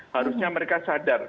harusnya mereka sadar